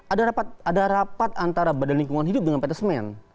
ada rapat antara bnh dengan pt semen